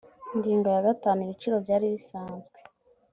ingingo ya gatanu ibiciro byari bisanzwe